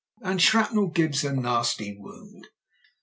And shrapnel gives a nasty wound.